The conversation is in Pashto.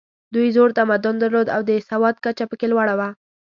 دوی زوړ تمدن درلود او د سواد کچه پکې لوړه وه.